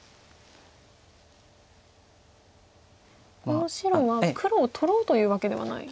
この白は黒を取ろうというわけではない。